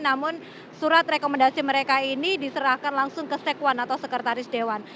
namun surat rekomendasi mereka ini diserahkan langsung ke sekwan atau sekretaris dewan